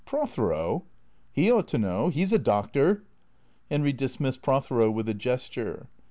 " Prothero !"" He ought to know. He 's a doctor." Henry dismissed Prothero with a gesture.